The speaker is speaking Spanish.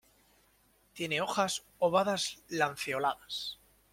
Tiene hojas ovadas-lanceoladas.